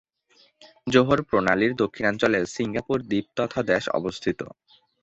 জোহর প্রণালীর দক্ষিণাঞ্চলে সিঙ্গাপুর দ্বীপ তথা দেশ অবস্থিত।